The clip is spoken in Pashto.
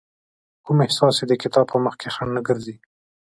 کوم احساس يې د کتاب په مخکې خنډ نه ګرځي.